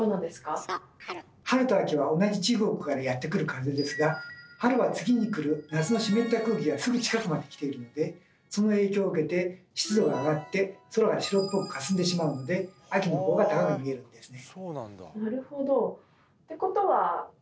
春と秋は同じ中国からやってくる風ですが春は次に来る夏の湿った空気がすぐ近くまで来ているのでその影響を受けて湿度が上がって空が白っぽくかすんでしまうので秋のほうが高く見えるんですね。